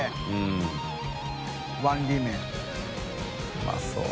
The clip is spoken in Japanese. うまそう。